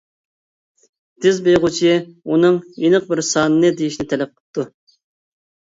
«تېز بېيىغۇچى» ئۇنىڭ ئېنىق بىر ساننى دېيىشىنى تەلەپ قىپتۇ.